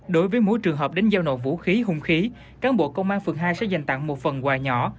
đối với mỗi trường hợp đến giao nộp vũ khí hung khí cán bộ công an phường hai sẽ dành tặng một phần quà nhỏ